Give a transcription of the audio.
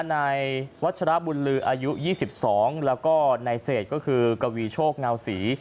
ในวัชราบุญลืออายุยี่สิบสองแล้วก็ในเศษก็คือกวีโชคเงาสี